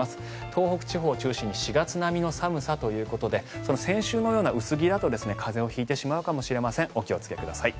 東北地方を中心に４月並みの寒さということで先週のような薄着だと風邪を引いてしまうかもしれませんお気をつけください。